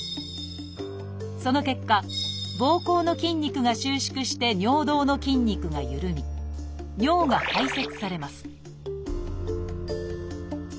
その結果ぼうこうの筋肉が収縮して尿道の筋肉が緩み尿が排泄されます